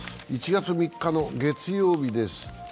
１月３日月曜日です。